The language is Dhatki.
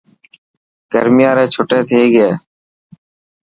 گرميان ري ڇٽي ٿي گئي.